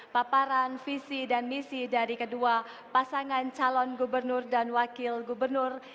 paparan visi dan misi dari kedua pasangan calon gubernur dan wakil gubernur